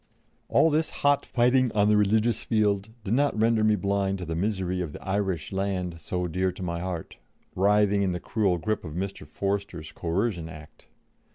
All this hot fighting on the religious field did not render me blind to the misery of the Irish land so dear to my heart, writhing in the cruel grip of Mr. Forster's Coercion Act.